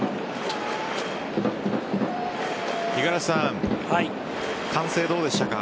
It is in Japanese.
五十嵐さん歓声、どうでしたか？